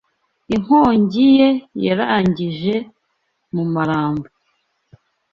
Inkongi ye yarangije mu Marambo